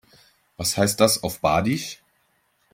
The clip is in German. Was heißt das auf Badisch?